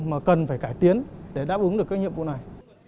mà cần phải cải tiến để đáp ứng được các nhiệm vụ này